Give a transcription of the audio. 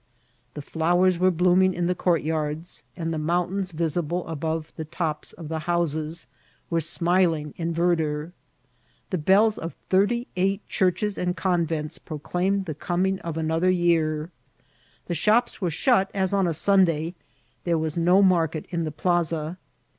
The flowers were blooming in the courtyards, and the mountains, visible above the tops of the houses, were smiling in verdure. The bells of thirty eight churches and convents proclaimed the coming of an* other year. The shops were shut as on a Sunday; there was no market in the plaza.